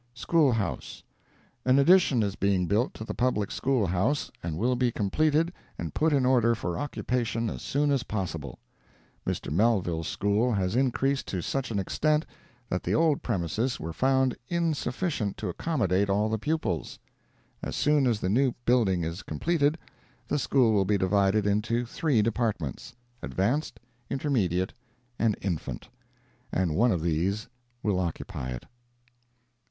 SCHOOL HOUSE.—An addition is being built to the public school house, and will be completed and put in order for occupation as soon as possible. Mr. Mellvile's school has increased to such an extent that the old premises were found insufficient to accommodate all the pupils. As soon as the new building is completed, the school will be divided into three departments—advanced, intermediate and infant—and one of these will occupy it.